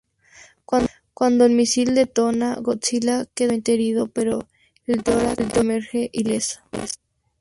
Cuando el misil detona, Godzilla queda gravemente herido pero Ghidorah emerge ileso.